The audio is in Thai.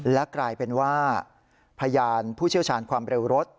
และกลายเป็นว่าพยานผู้เชี่ยวชาญความเร็วรถ